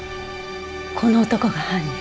この男が犯人。